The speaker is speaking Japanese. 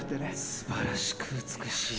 素晴らしく美しい。